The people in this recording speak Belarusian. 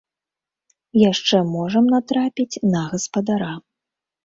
Яшчэ можам натрапіць на гаспадара.